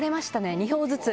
２票ずつ。